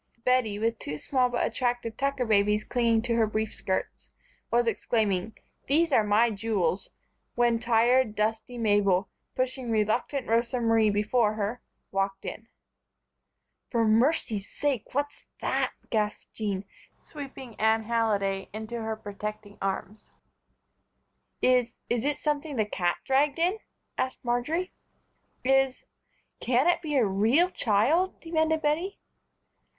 Bettie, with two small but attractive Tucker babies clinging to her brief skirts, was exclaiming: "These are my jewels," when tired, dusty Mabel, pushing reluctant Rosa Marie before her, walked in. "For mercy's sake, what's that!" gasped Jean, sweeping Anne Halliday into her protecting arms. "Is is it something the cat dragged in?" asked Marjory. "Is can it be a real child?" demanded Bettie.